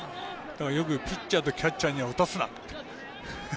よくピッチャーとキャッチャーには打たすなと。